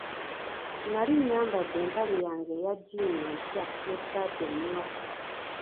Nnali nyambade empale yange eya jjiini empya n'essaati emmyufu.